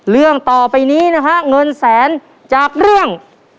เรื่องต่อไปนี้นะฮะเงินแสนจากเรื่อง